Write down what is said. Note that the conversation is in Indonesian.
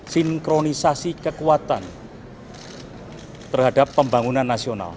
sinkronisasi kekuatan terhadap pembangunan nasional